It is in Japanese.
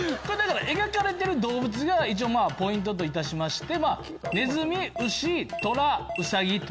描かれてる動物が一応ポイントといたしまして。